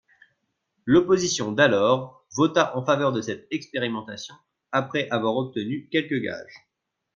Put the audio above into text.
L’opposition d’alors vota en faveur de cette expérimentation après avoir obtenu quelques gages.